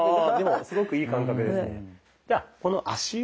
ああでもすごくいい感覚ですね。